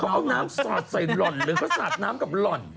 เขาเอาน้ำสาดใส่หล่อนหรือเขาสาดน้ำกับหล่อน